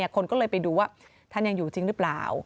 คนก็เลยไปดูว่าท่านยังอยู่จริงหรือเปล่า